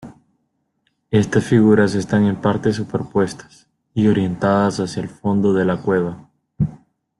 Estas figuras están en parte superpuestas y orientadas hacia el fondo de la cueva.